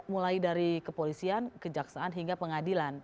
mulai dari kepolisian kejaksaan hingga pengadilan